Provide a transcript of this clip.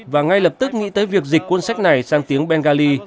và ngay lập tức nghĩ tới việc dịch cuốn sách này sang tiếng bengali